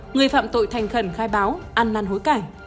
người phạm tội thành khẩn khai báo ăn năn hối cải